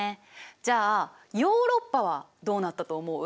じゃあヨーロッパはどうなったと思う？